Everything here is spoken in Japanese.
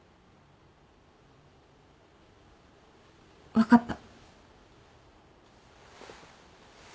分かった。